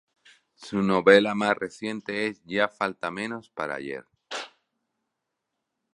Su novela más reciente es "Ya falta menos para ayer".